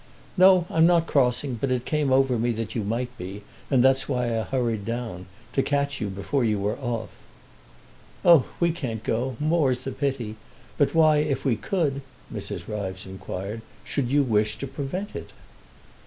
"No, I'm not crossing; but it came over me that you might be, and that's why I hurried down—to catch you before you were off." "Oh, we can't go—more's the pity; but why, if we could," Mrs. Ryves inquired, "should you wish to prevent it?"